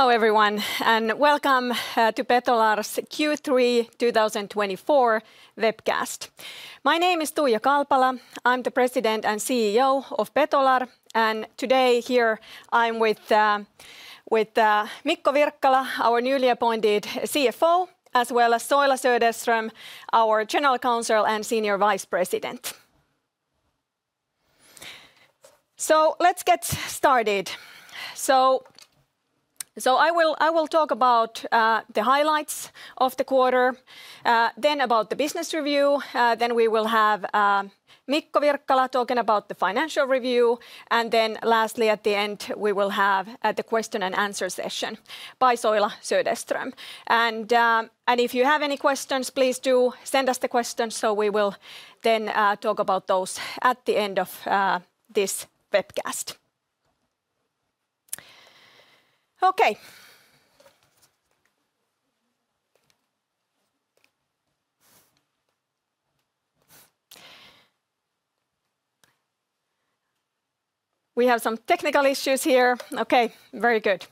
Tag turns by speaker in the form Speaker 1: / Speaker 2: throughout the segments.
Speaker 1: Hello everyone, and welcome to Betolar's Q3 2024 webcast. My name is Tuija Kalpala. I'm the President and CEO of Betolar, and today here I'm with Mikko Wirkkala, our newly appointed CFO, as well as Soila Söderström, our General Counsel and Senior Vice President. So let's get started. So I will talk about the highlights of the quarter, then about the business review. Then we will have Mikko Wirkkala talking about the financial review, and then lastly at the end we will have the question and answer session by Soila Söderström. And if you have any questions, please do send us the questions so we will then talk about those at the end of this webcast. Okay. We have some technical issues here. Okay, very good.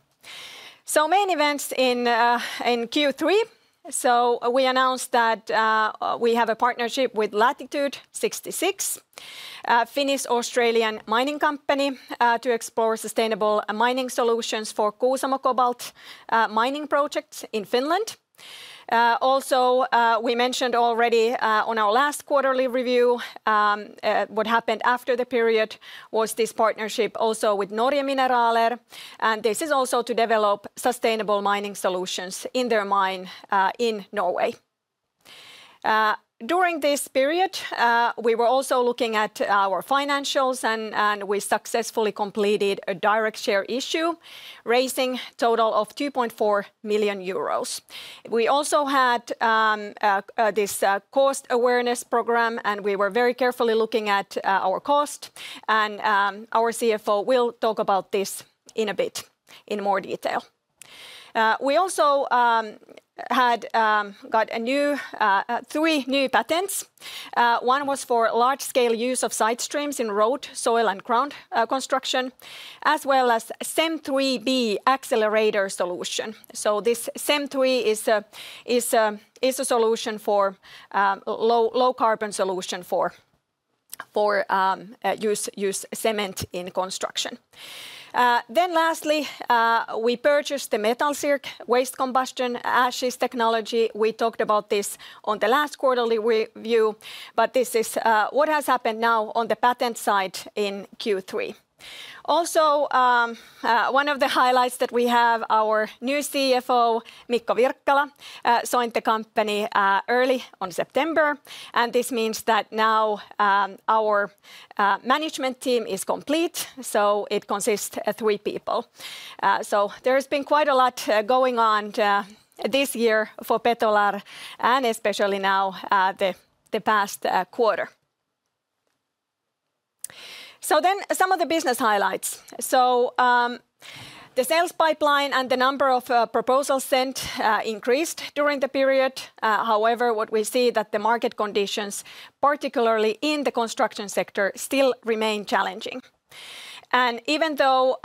Speaker 1: So main events in Q3. We announced that we have a partnership with Latitude 66, a Finnish-Australian mining company, to explore sustainable mining solutions for Kuusamo cobalt mining projects in Finland. Also, we mentioned already on our last quarterly review what happened after the period was this partnership also with Noria Mineraler, and this is also to develop sustainable mining solutions in their mine in Norway. During this period, we were also looking at our financials, and we successfully completed a direct share issue, raising a total of 2.4 million euros. We also had this cost awareness program, and we were very carefully looking at our cost, and our CFO will talk about this in a bit in more detail. We also got three new patents. One was for large-scale use of side streams in road, soil, and ground construction, as well as CEM III/B accelerator solution. This CEM III is a low-carbon solution for using cement in construction. Then lastly, we purchased the MetalSirk waste combustion ashes technology. We talked about this on the last quarterly review, but this is what has happened now on the patent side in Q3. Also, one of the highlights that we have, our new CFO, Mikko Wirkkala, joined the company early in September, and this means that now our management team is complete, so it consists of three people. There has been quite a lot going on this year for Betolar, and especially in the past quarter. Then some of the business highlights. The sales pipeline and the number of proposals sent increased during the period. However, what we see is that the market conditions, particularly in the construction sector, still remain challenging. Even though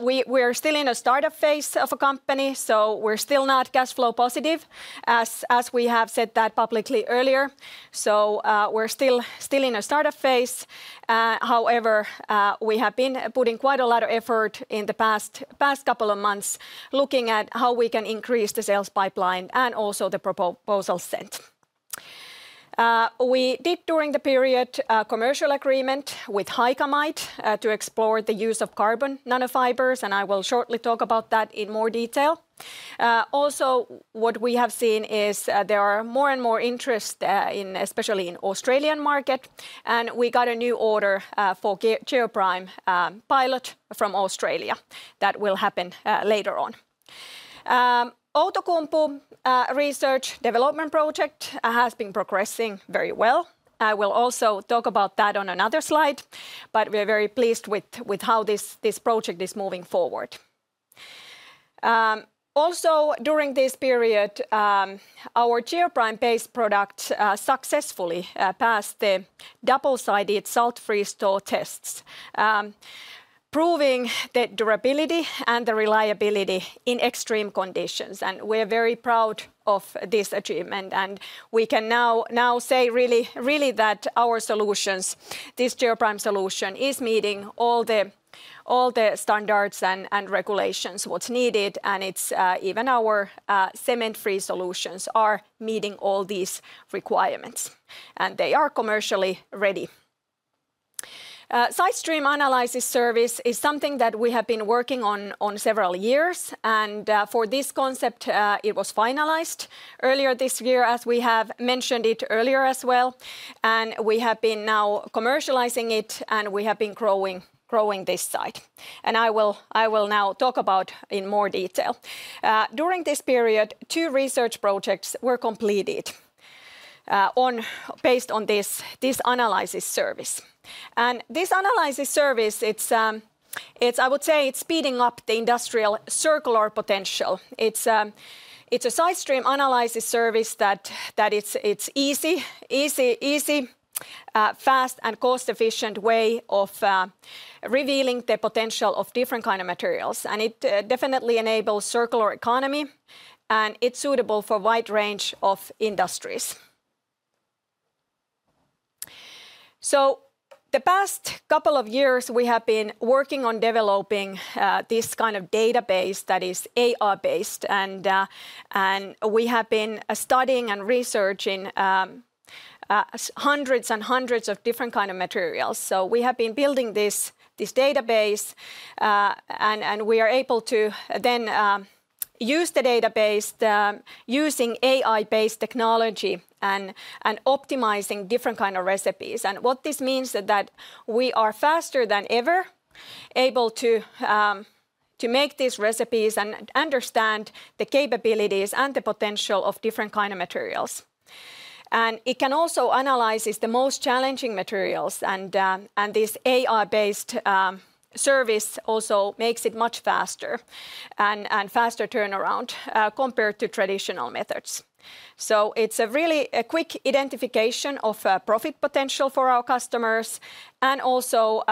Speaker 1: we are still in a startup phase of a company, so we're still not cash flow positive, as we have said that publicly earlier. However, we have been putting quite a lot of effort in the past couple of months looking at how we can increase the sales pipeline and also the proposals sent. We did, during the period, a commercial agreement with Hycamite to explore the use of carbon nanofibers, and I will shortly talk about that in more detail. Also, what we have seen is there are more and more interest, especially in the Australian market, and we got a new order for Geoprime pilot from Australia that will happen later on. Outokumpu Research Development Project has been progressing very well. I will also talk about that on another slide, but we are very pleased with how this project is moving forward. Also, during this period, our Geoprime-based product successfully passed the double-sided salt-freeze thaw tests, proving the durability and the reliability in extreme conditions, and we are very proud of this achievement, and we can now say really that our solutions, this Geoprime solution, is meeting all the standards and regulations that are needed, and even our cement-free solutions are meeting all these requirements, and they are commercially ready. Side stream analysis service is something that we have been working on for several years, and for this concept, it was finalized earlier this year, as we have mentioned it earlier as well, and we have been now commercializing it, and we have been growing this site, and I will now talk about it in more detail. During this period, two research projects were completed based on this analysis service. And this analysis service, I would say, is speeding up the industrial circular potential. It's a side stream analysis service that is an easy, fast, and cost-efficient way of revealing the potential of different kinds of materials, and it definitely enables a circular economy, and it's suitable for a wide range of industries. So the past couple of years, we have been working on developing this kind of database that is AI-based, and we have been studying and researching hundreds and hundreds of different kinds of materials. So we have been building this database, and we are able to then use the database using AI-based technology and optimizing different kinds of recipes. And what this means is that we are faster than ever able to make these recipes and understand the capabilities and the potential of different kinds of materials. And it can also analyze the most challenging materials, and this AI-based service also makes it much faster and faster turnaround compared to traditional methods. So it's a really quick identification of profit potential for our customers, and also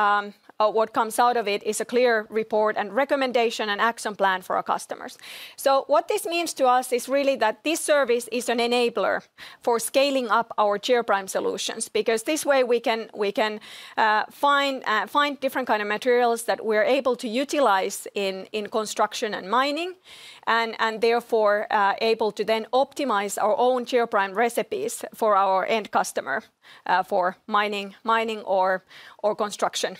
Speaker 1: what comes out of it is a clear report and recommendation and action plan for our customers. So what this means to us is really that this service is an enabler for scaling up our Geoprime solutions, because this way we can find different kinds of materials that we are able to utilize in construction and mining, and therefore able to then optimize our own Geoprime recipes for our end customer, for mining or construction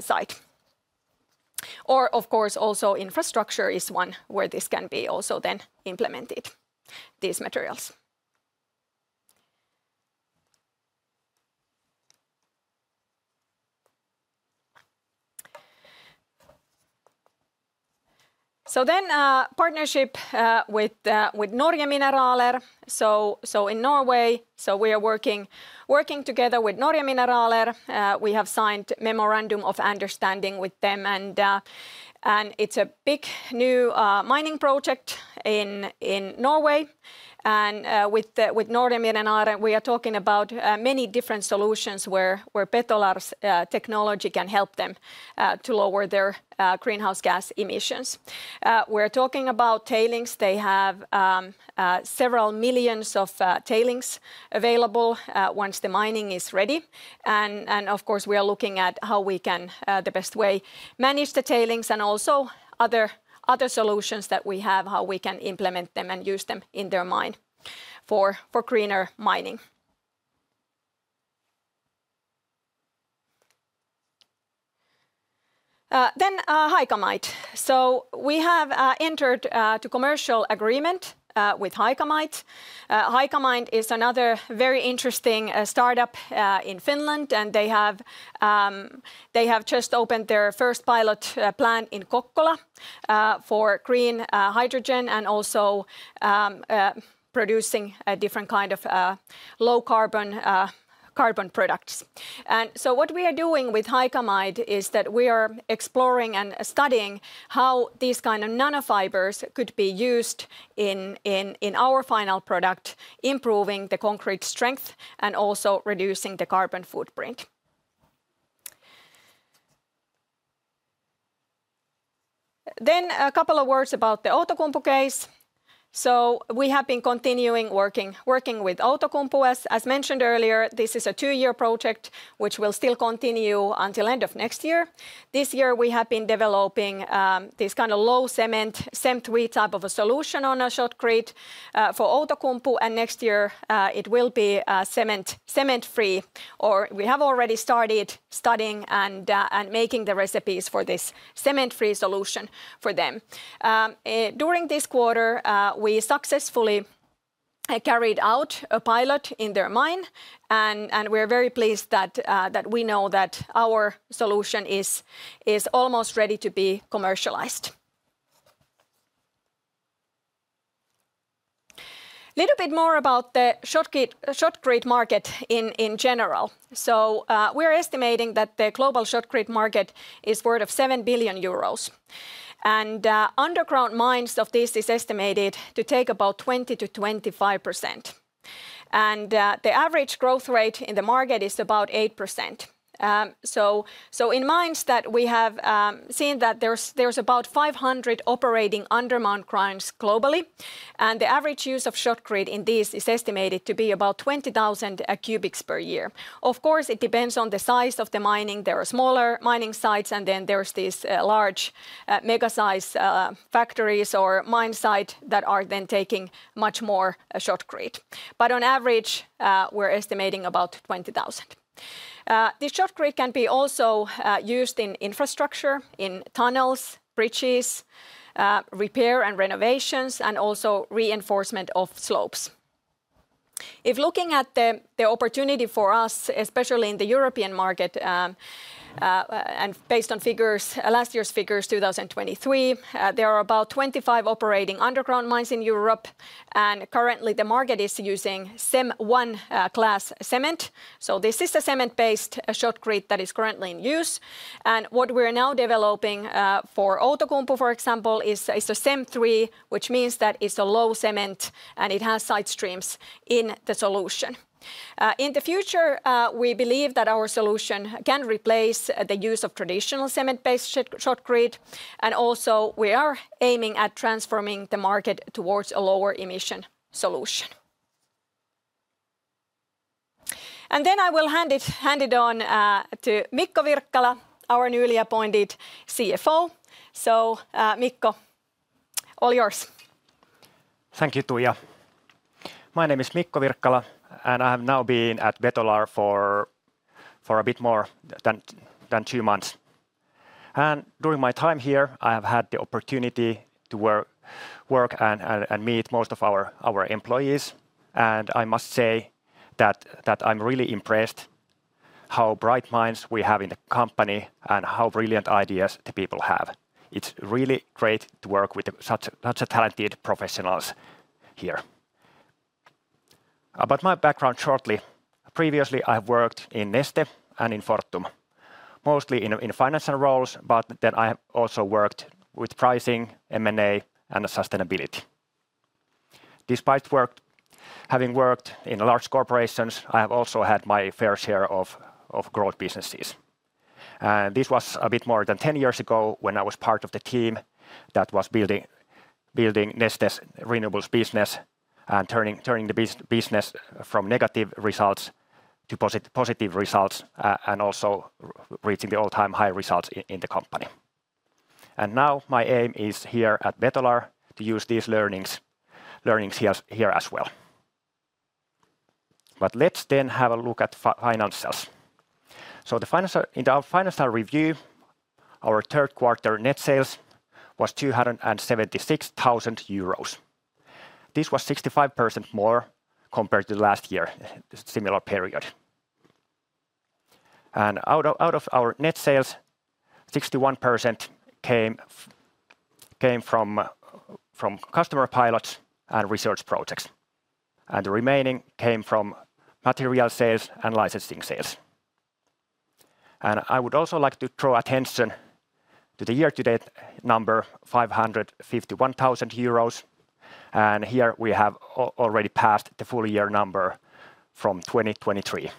Speaker 1: site. Or, of course, also infrastructure is one where this can be also then implemented, these materials. Partnership with Noria Mineraler. In Norway, we are working together with Noria Mineraler. We have signed a memorandum of understanding with them, and it's a big new mining project in Norway. With Noria Mineraler, we are talking about many different solutions where Betolar's technology can help them to lower their greenhouse gas emissions. We're talking about tailings. They have several millions of tailings available once the mining is ready. Of course, we are looking at how we can, the best way, manage the tailings and also other solutions that we have, how we can implement them and use them in their mine for greener mining. Hycamite. We have entered a commercial agreement with Hycamite. Hycamite is another very interesting startup in Finland, and they have just opened their first pilot plant in Kokkola for green hydrogen and also producing different kinds of low-carbon products. And so what we are doing with Hycamite is that we are exploring and studying how these kinds of nanofibers could be used in our final product, improving the concrete strength and also reducing the carbon footprint. Then a couple of words about the Outokumpu case. So we have been continuing working with Outokumpu. As mentioned earlier, this is a two-year project, which will still continue until the end of next year. This year we have been developing this kind of low cement, CEM III type of a solution on shotcrete for Outokumpu, and next year it will be cement-free. Or we have already started studying and making the recipes for this cement-free solution for them. During this quarter, we successfully carried out a pilot in their mine, and we are very pleased that we know that our solution is almost ready to be commercialized. A little bit more about the shotcrete market in general, so we are estimating that the global shotcrete market is worth 7 billion euros, and underground mines of this are estimated to take about 20%-25%, and the average growth rate in the market is about 8%. So in mines that we have seen, there's about 500 operating underground mines globally, and the average use of shotcrete in these is estimated to be about 20,000 cubics per year. Of course, it depends on the size of the mining. There are smaller mining sites, and then there's these large mega-sized factories or mine sites that are then taking much more shotcrete. But on average, we're estimating about 20,000. This shotcrete can be also used in infrastructure, in tunnels, bridges, repair and renovations, and also reinforcement of slopes. If looking at the opportunity for us, especially in the European market, and based on figures, last year's figures 2023, there are about 25 operating underground mines in Europe, and currently the market is using CEM I class cement. So this is a cement-based shotcrete that is currently in use. And what we are now developing for Outokumpu, for example, is a CEM III, which means that it's a low cement, and it has side streams in the solution. In the future, we believe that our solution can replace the use of traditional cement-based shotcrete, and also we are aiming at transforming the market towards a lower emission solution. And then I will hand it over to Mikko Wirkkala, our newly appointed CFO. Mikko, all yours.
Speaker 2: Thank you, Tuija. My name is Mikko Wirkkala, and I have now been at Betolar for a bit more than two months, and during my time here, I have had the opportunity to work and meet most of our employees, and I must say that I'm really impressed how bright minds we have in the company and how brilliant ideas the people have. It's really great to work with such talented professionals here. About my background shortly, previously I have worked in Neste and in Fortum, mostly in financial roles, but then I also worked with pricing, M&A, and sustainability. Despite having worked in large corporations, I have also had my fair share of growth businesses. This was a bit more than 10 years ago when I was part of the team that was building Neste's renewables business and turning the business from negative results to positive results and also reaching the all-time high results in the company. And now my aim is here at Betolar to use these learnings here as well. But let's then have a look at financials. So in our financial review, our third quarter net sales was 276,000 euros. This was 65% more compared to last year, a similar period. And out of our net sales, 61% came from customer pilots and research projects, and the remaining came from material sales and licensing sales. And I would also like to draw attention to the year-to-date number, 551,000 euros, and here we have already passed the full year number from 2023.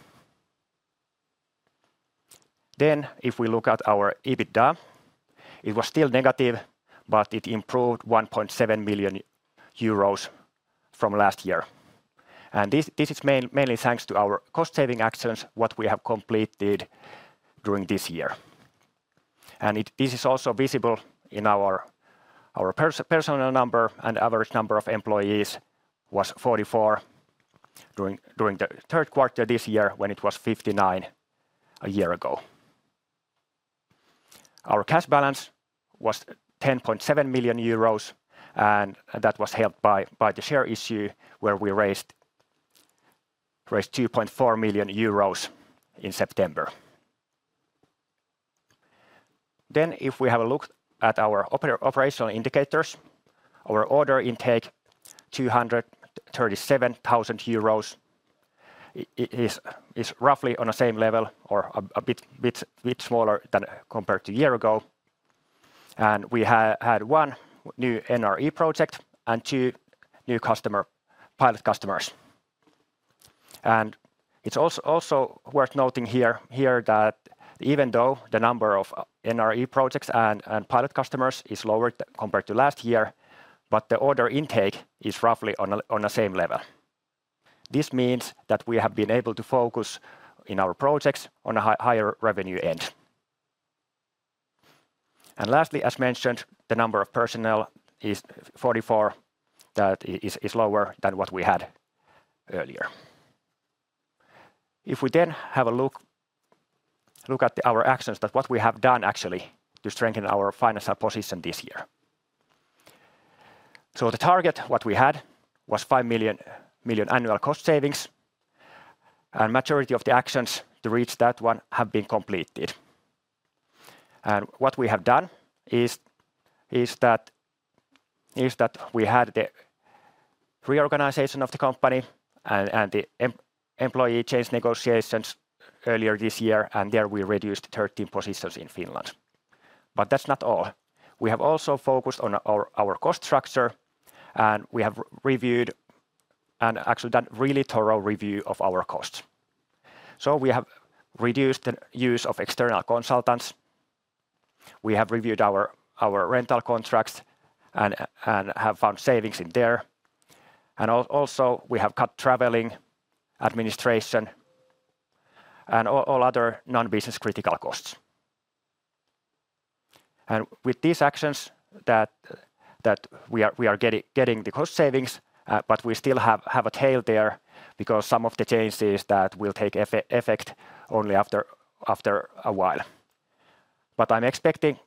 Speaker 2: Then if we look at our EBITDA, it was still negative, but it improved 1.7 million euros from last year. And this is mainly thanks to our cost-saving actions, what we have completed during this year. And this is also visible in our personnel number, and the average number of employees was 44 during the third quarter this year when it was 59 a year ago. Our cash balance was 10.7 million euros, and that was helped by the share issue where we raised 2.4 million EUR in September. Then if we have a look at our operational indicators, our order intake, 237,000 euros, is roughly on the same level or a bit smaller than compared to a year ago. And we had one new NRE project and two new pilot customers. It's also worth noting here that even though the number of NRE projects and pilot customers is lower compared to last year, the order intake is roughly on the same level. This means that we have been able to focus in our projects on a higher revenue end. Lastly, as mentioned, the number of personnel is 44, that is lower than what we had earlier. If we then have a look at our actions, that's what we have done actually to strengthen our financial position this year. The target what we had was 5 million annual cost savings, and the majority of the actions to reach that one have been completed. What we have done is that we had the reorganization of the company and the employee change negotiations earlier this year, and there we reduced 13 positions in Finland. That's not all. We have also focused on our cost structure, and we have reviewed and actually done a really thorough review of our costs. So we have reduced the use of external consultants. We have reviewed our rental contracts and have found savings in there. And also we have cut traveling, administration, and all other non-business critical costs. And with these actions, we are getting the cost savings, but we still have a tail there because some of the changes that will take effect only after a while. But I'm expecting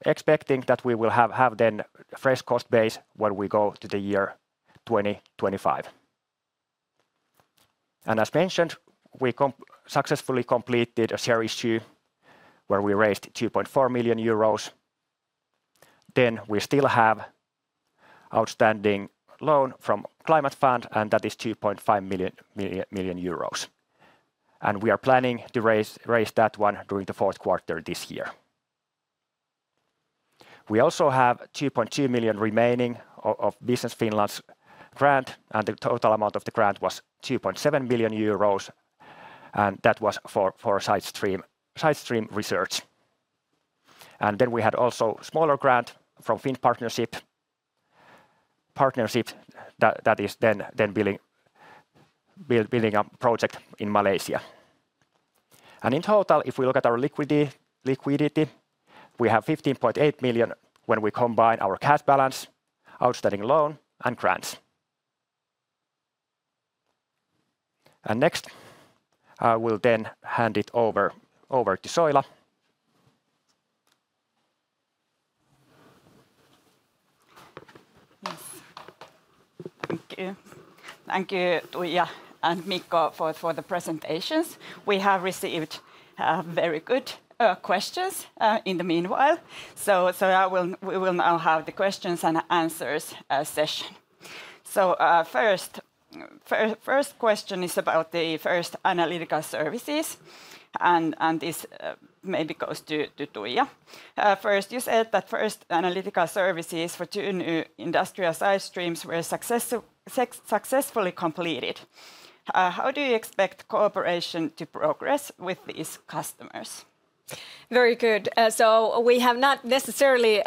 Speaker 2: that we will have then a fresh cost base when we go to the year 2025. And as mentioned, we successfully completed a share issue where we raised 2.4 million euros. Then we still have an outstanding loan from Climate Fund, and that is 2.5 million. And we are planning to raise that one during the fourth quarter this year. We also have 2.2 million remaining of Business Finland's grant, and the total amount of the grant was 2.7 million euros, and that was for side stream research, and then we had also a smaller grant from Finnpartnership, that is then building a project in Malaysia. And in total, if we look at our liquidity, we have 15.8 million when we combine our cash balance, outstanding loan, and grants, and next, I will then hand it over to Soila.
Speaker 3: Thank you. Thank you, Tuija and Mikko for the presentations. We have received very good questions in the meanwhile, so we will now have the questions and answers session, so first question is about the first analytical services, and this maybe goes to Tuija. First, you said that first analytical services for two new industrial side streams were successfully completed. How do you expect cooperation to progress with these customers?
Speaker 1: Very good. So we have not necessarily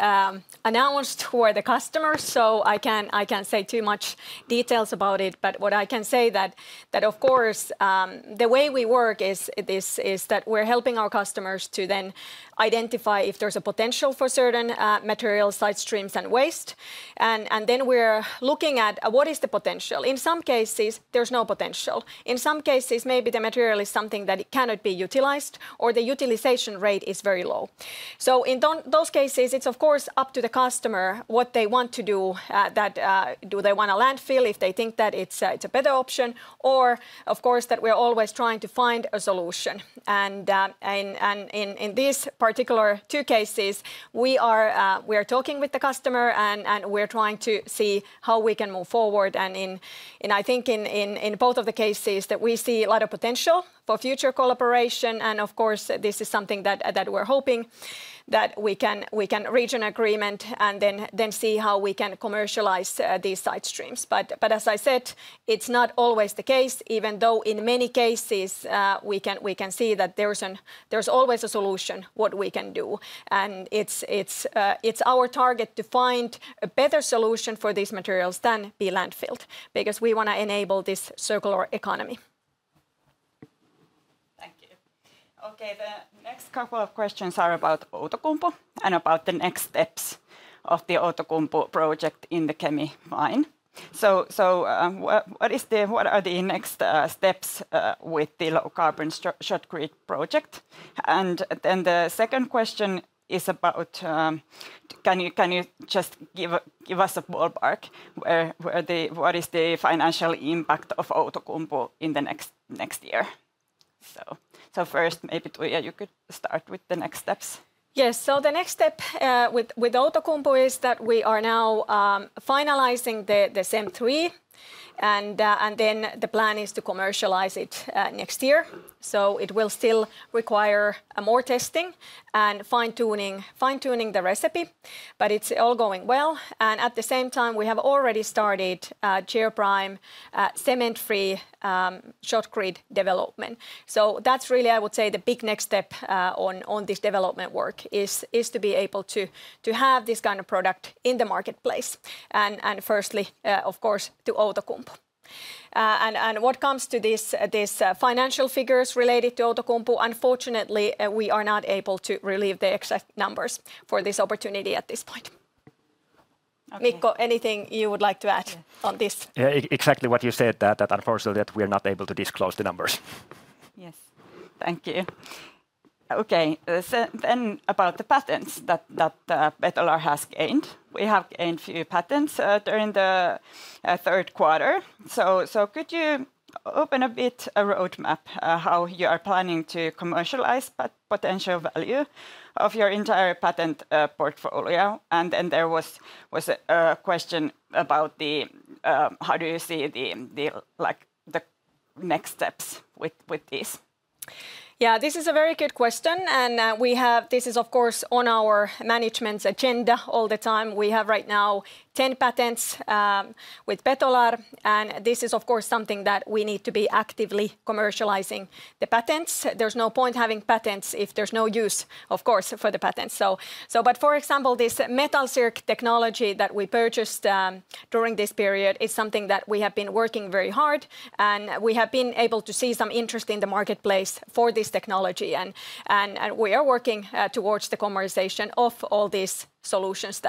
Speaker 1: announced who are the customers, so I can't say too much details about it, but what I can say is that, of course, the way we work is that we're helping our customers to then identify if there's a potential for certain material side streams and waste. And then we're looking at what is the potential. In some cases, there's no potential. In some cases, maybe the material is something that cannot be utilized, or the utilization rate is very low. So in those cases, it's of course up to the customer what they want to do, that do they want a landfill if they think that it's a better option, or of course that we're always trying to find a solution. In these particular two cases, we are talking with the customer, and we're trying to see how we can move forward. I think in both of the cases that we see a lot of potential for future collaboration, and of course this is something that we're hoping that we can reach an agreement and then see how we can commercialize these side streams. But as I said, it's not always the case, even though in many cases we can see that there's always a solution what we can do. It's our target to find a better solution for these materials than the landfill, because we want to enable this circular economy.
Speaker 3: Thank you. Okay, the next couple of questions are about Outokumpu and about the next steps of the Outokumpu project in the Kemi mine. So what are the next steps with the low carbon shotcrete project? And then the second question is about, can you just give us a ballpark, what is the financial impact of Outokumpu in the next year? So first, maybe Tuija, you could start with the next steps.
Speaker 1: Yes, so the next step with Outokumpu is that we are now finalizing the CEM III, and then the plan is to commercialize it next year. So it will still require more testing and fine-tuning the recipe, but it's all going well. And at the same time, we have already started Geoprime cement-free shotcrete development. So that's really, I would say, the big next step on this development work is to be able to have this kind of product in the marketplace, and firstly, of course, to Outokumpu. When it comes to these financial figures related to Outokumpu, unfortunately, we are not able to reveal the exact numbers for this opportunity at this point. Mikko, anything you would like to add on this?
Speaker 2: Yeah, exactly what you said, that unfortunately that we are not able to disclose the numbers.
Speaker 1: Yes.
Speaker 3: Thank you. Okay, then about the patents that Betolar has gained. We have gained a few patents during the third quarter. So could you elaborate a bit on the roadmap how you are planning to commercialize potential value of your entire patent portfolio? And then there was a question about how do you see the next steps with this.
Speaker 1: Yeah, this is a very good question, and this is of course on our management's agenda all the time. We have right now 10 patents with Betolar, and this is of course something that we need to be actively commercializing the patents. There's no point having patents if there's no use, of course, for the patents. But for example, this MetalSirk technology that we purchased during this period is something that we have been working very hard, and we have been able to see some interest in the marketplace for this technology. And we are working towards the commercialization of all these solutions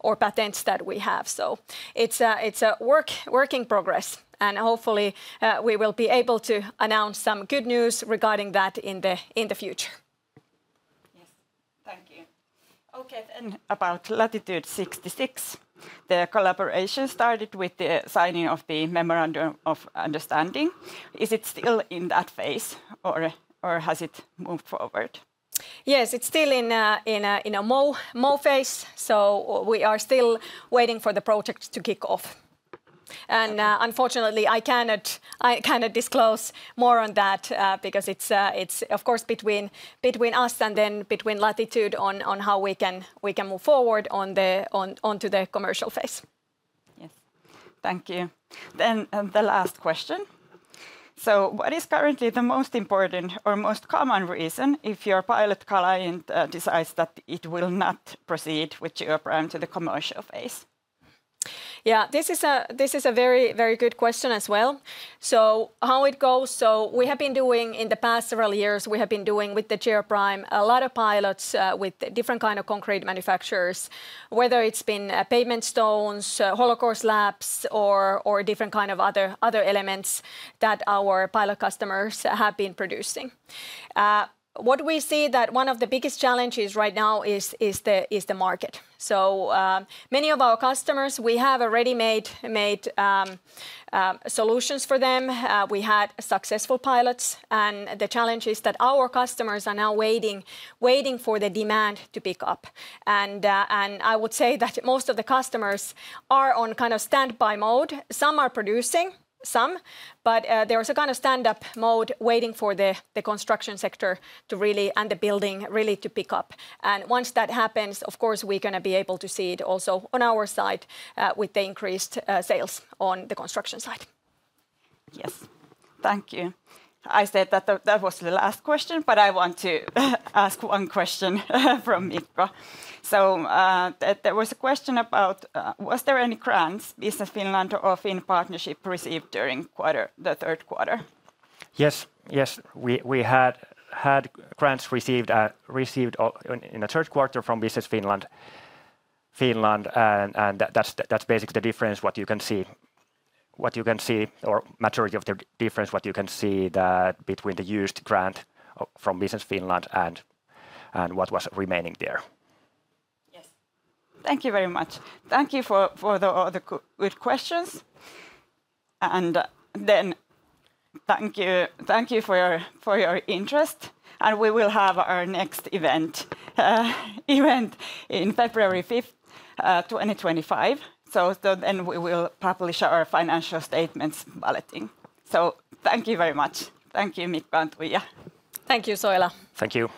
Speaker 1: or patents that we have. So it's a work in progress, and hopefully we will be able to announce some good news regarding that in the future.
Speaker 3: Yes, thank you. Okay, then about Latitude 66, the collaboration started with the signing of the memorandum of understanding. Is it still in that phase, or has it moved forward?
Speaker 1: Yes, it's still in an MOU phase, so we are still waiting for the project to kick off. And unfortunately, I cannot disclose more on that because it's of course between us and then between Latitude on how we can move forward onto the commercial phase.
Speaker 3: Yes, thank you. Then the last question. So what is currently the most important or most common reason if your pilot client decides that it will not proceed with Geoprime to the commercial phase?
Speaker 1: Yeah, this is a very good question as well. So how it goes, so we have been doing in the past several years, we have been doing with the Geoprime a lot of pilots with different kinds of concrete manufacturers, whether it's been pavement stones, hollow-core slabs, or different kinds of other elements that our pilot customers have been producing. What we see that one of the biggest challenges right now is the market. So many of our customers, we have already made solutions for them. We had successful pilots, and the challenge is that our customers are now waiting for the demand to pick up. And I would say that most of the customers are on kind of standby mode. Some are producing, some, but there is a kind of standby mode waiting for the construction sector and the building really to pick up. And once that happens, of course, we're going to be able to see it also on our side with the increased sales on the construction side.
Speaker 3: Yes, thank you. I said that that was the last question, but I want to ask one question from Mikko. So there was a question about, was there any grants Business Finland or Finnpartnership received during the third quarter?
Speaker 2: Yes, yes, we had grants received in the third quarter from Business Finland, and that's basically the difference what you can see, or majority of the difference what you can see between the used grant from Business Finland and what was remaining there.
Speaker 3: .Yes, thank you very much. Thank you for the good questions. And then thank you for your interest. And we will have our next event in February 5th, 2025. So then we will publish our financial statements bulletin. So thank you very much. Thank you, Mikko and Tuija.
Speaker 1: Thank you, Soila.
Speaker 2: Thank you.